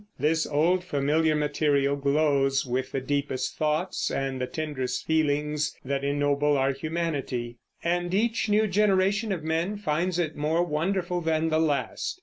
this old familiar material glows with the deepest thoughts and the tenderest feelings that ennoble our humanity; and each new generation of men finds it more wonderful than the last.